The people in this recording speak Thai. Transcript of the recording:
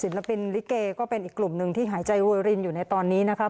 ศิลปินลิเกก็เป็นอีกกลุ่มหนึ่งที่หายใจรวยรินอยู่ในตอนนี้นะครับ